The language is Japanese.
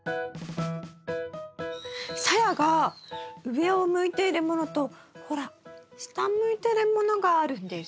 さやが上を向いているものとほら下向いてるものがあるんです。